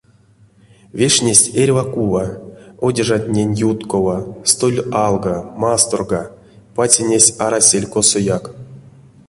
Вешнесть эрьва кува, одежатнень юткова, столь алга, масторга — пацинесь арасель косояк.